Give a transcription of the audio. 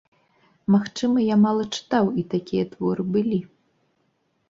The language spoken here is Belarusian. Магчыма, я мала чытаў і такія творы былі.